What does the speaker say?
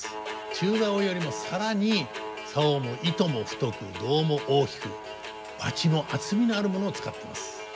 中棹よりも更に棹も糸も太く胴も大きくバチも厚みのあるものを使ってます。